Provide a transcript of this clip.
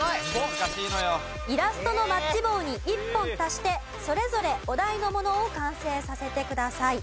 イラストのマッチ棒に１本足してそれぞれお題のものを完成させてください。